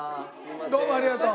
どうもありがとう。